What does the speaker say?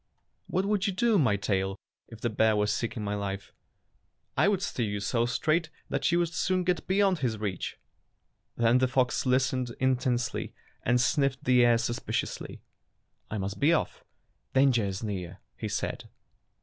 "What would you do, my tail, if the bear was seeking my life?" "I would steer you so straight that you would soon get beyond his reach." Then the fox listened intently and sniflfed the air suspiciously. "I must be ofif — dan ger is near," he said.